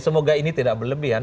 semoga ini tidak berlebihan